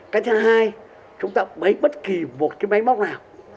cách thứ hai chúng ta bấy bất kỳ một cái máy móc nào